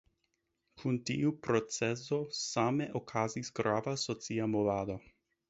Kun tiu procezo same okazis grava socia movado.